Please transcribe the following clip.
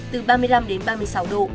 từ ba mươi năm đến ba mươi sáu độ